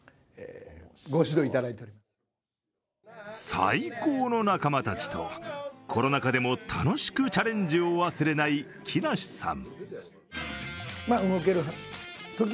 最高の仲間たちとコロナ禍でも楽しくチャレンジを忘れない木梨さん。